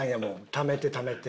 ためてためて。